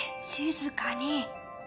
静かに！